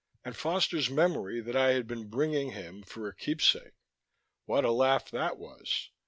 And Foster's memory that I had been bringing him for a keepsake: what a laugh that was!